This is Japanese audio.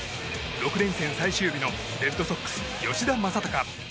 ６連戦最終日のレッドソックス、吉田正尚。